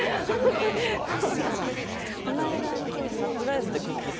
全体的にサプライズでくっきー！